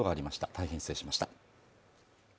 大変失礼しました。